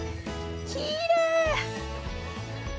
きれい！